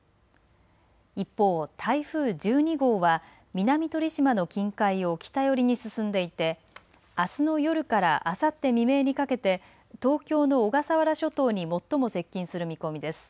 一方、台風１２号は南鳥島の近海を北寄りに進んでいてあすの夜からあさって未明にかけて東京の小笠原諸島に最も接近する見込みです。